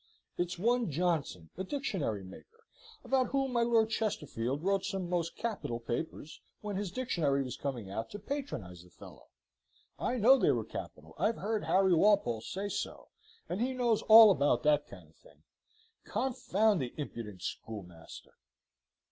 "It's one Johnson, a Dictionary maker, about whom my Lord Chesterfield wrote some most capital papers, when his dixonary was coming out, to patronise the fellow. I know they were capital. I've heard Horry Walpole say so, and he knows all about that kind of thing. Confound the impudent schoolmaster!"